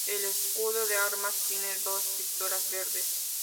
El escudo de armas, tiene dos pistolas verdes.